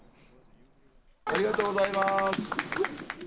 ありがとうございます。